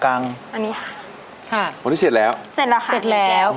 อันที่เสร็จแล้วเสร็จแล้วค่ะ